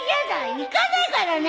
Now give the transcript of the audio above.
行かないからね！